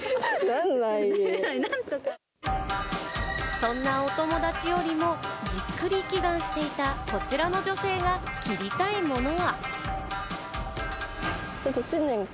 そんなお友達よりもじっくり祈願していたこちらの女性が切りたいものは？